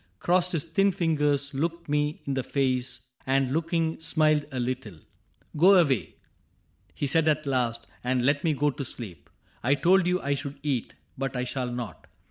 Crossed his thin fingers, looked me in the face, And looking smiled a little. ^^ Go away," He said at last, ^^ and let me go to sleep. I told you I should eat, but I shall not.